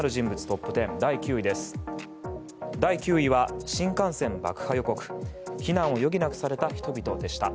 トップ１０第９位は新幹線爆破予告避難余儀なくされた人々でした。